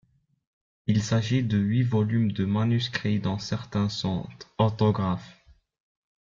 Il s'agit de huit volumes de manuscrits, dont certains sont autographes.